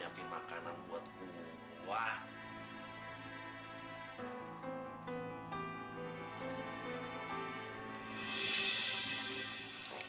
jangan panggil aku juminten